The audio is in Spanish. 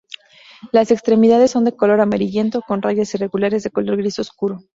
Las extremidades son de color amarillento con rayas irregulares de color gris oscuro.